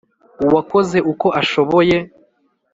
Uwakoze uko ashoboye